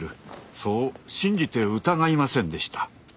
そう信じて疑いませんでした。